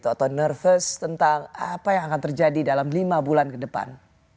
atau nervous tentang apa yang akan terjadi dalam lima bulan ke depan